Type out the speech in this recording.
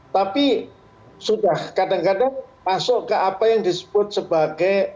tapi sudah kadang kadang masuk ke apa yang disebut sebagai